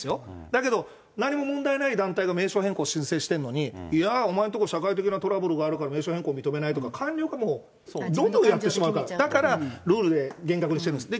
だけど、何も問題ない団体が名称変更申請してるのに、いやー、お前のところ、社会的なトラブルがあるから名称変更認めないとか、官僚がもうどんどんやってしまうから、だからルールで厳格にしているんです。